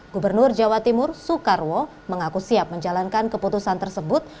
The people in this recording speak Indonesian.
gubernur jawa timur soekarwo mengaku siap menjalankan keputusan tersebut